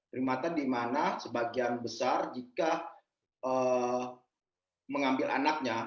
primata di mana sebagian besar jika mengambil anaknya